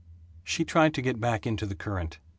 She tried to get back into the current.